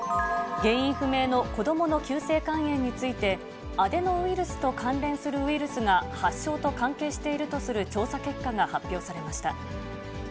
原因不明の子どもの急性肝炎についてアデノウイルスと関連するウイルスが発症と関係しているとする調査結果が発表されました。